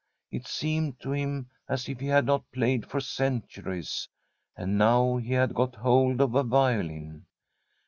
It seemed to him as if he had not played for centuries, and now he had got hold of a violin.